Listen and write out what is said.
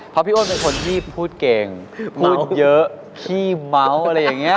เพราะพี่อ้นเป็นคนที่พูดเก่งพูดเยอะขี้เมาส์อะไรอย่างนี้